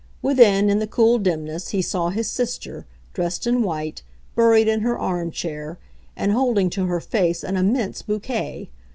Within, in the cool dimness, he saw his sister, dressed in white, buried in her arm chair, and holding to her face an immense bouquet.